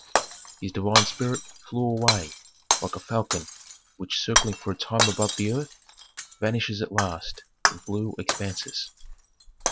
His divine spirit flew away, like a falcon which, circling for a time above the earth, vanishes at last in blue expanses.